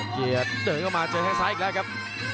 เกียรติเดินเข้ามาเจอแค่งซ้ายอีกแล้วครับ